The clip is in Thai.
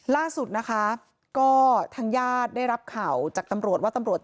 ล่าสุดนะคะก็ทางญาติได้รับข่าวจากตำรวจ